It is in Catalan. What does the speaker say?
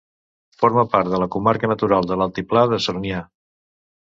Forma part de la comarca natural de l'Altiplà de Sornià.